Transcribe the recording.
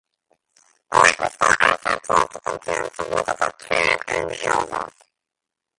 The atmosphere also appears to contain significant cloud and hazes.